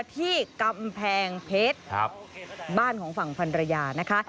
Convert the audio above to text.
ที่กำแพงเพชรบ้านของฝั่งพันรยานะคะ